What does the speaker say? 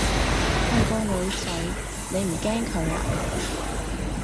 係個女仔，你唔驚佢啊？